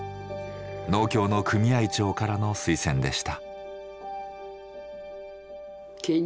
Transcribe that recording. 農協の組合長からの推薦でした。